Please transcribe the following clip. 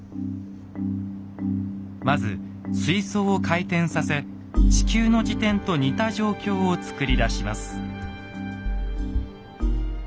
まず水槽を回転させ地球の自転と似た状況を作り出します。